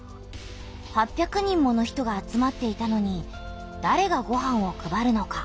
８００人もの人が集まっていたのにだれがごはんを配るのか？